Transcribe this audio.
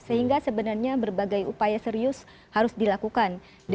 sehingga sebenarnya berbagai upaya serius harus dilakukan